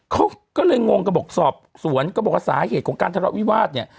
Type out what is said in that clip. เขาก็เลยงงก็บอกสอบสวนก็บอกว่าสาเหตุของการทะเลาะวิวาสเนี่ย